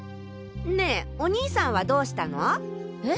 ねぇお兄さんはどうしたの？え？